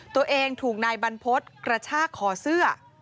ตัวเองถูกนายบรรพฤษกระชากคอเสื้อ